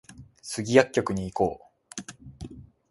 スギ薬局に行こう